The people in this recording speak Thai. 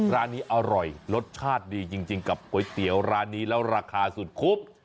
ร้านนี้อร่อยรสชาติดีจริงกับก๋วยเตี๋ยวร้านนี้แล้วราคาสุดคุบ